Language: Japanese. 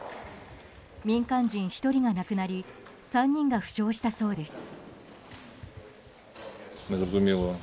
民間人１人が亡くなり３人が負傷したそうです。